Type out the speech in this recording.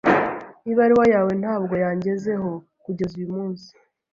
Ibaruwa yawe ntabwo yangezeho kugeza uyu munsi.